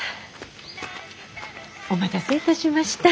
お待たせいたしました。